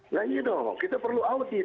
nggak gitu kita perlu audit